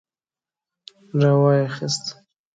را وايي خيست.